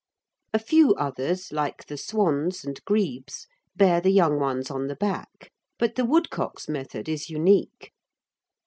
A few others, like the swans and grebes, bear the young ones on the back, but the woodcock's method is unique.